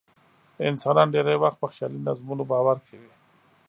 انسانان ډېری وخت په خیالي نظمونو باور کوي.